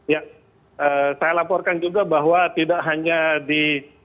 ya saya laporkan juga bahwa tidak hanya di